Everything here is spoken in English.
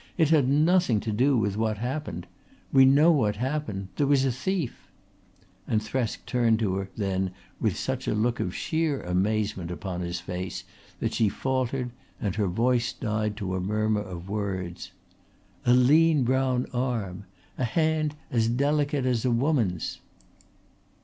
"It had nothing to do with what happened. We know what happened. There was a thief" and Thresk turned to her then with such a look of sheer amazement upon his face that she faltered and her voice died to a murmur of words "a lean brown arm a hand delicate as a woman's."